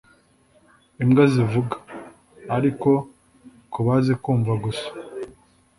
imbwa zivuga, ariko ku bazi kumva gusa